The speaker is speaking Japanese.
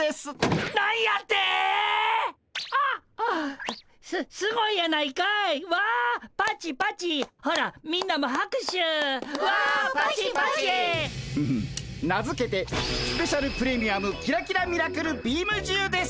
フフッ名付けてスペシャル・プレミアムキラキラ・ミラクル・ビームじゅうです！